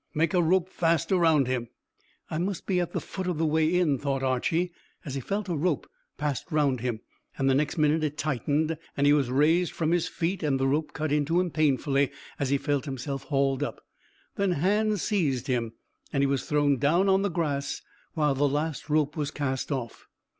"Make a rope fast round him." "I must be at the foot of the way in," thought Archy, as he felt a rope passed round him, and the next minute it tightened, he was raised from his feet, and the rope cut into him painfully as he felt himself hauled up. Then hands seized him, and he was thrown down on the grass, while the last rope was cast off.